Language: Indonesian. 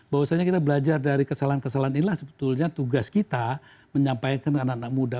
bahwasanya kita belajar dari kesalahan kesalahan inilah sebetulnya tugas kita menyampaikan ke anak anak muda